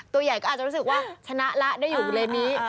ตัวใหญ่ก็อาจจะรู้สึกว่าชนะแล้วได้อยู่บริเวณนี้